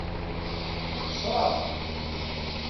Xesreɣ.